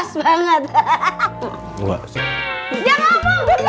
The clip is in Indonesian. sampai jumpa di video selanjutnya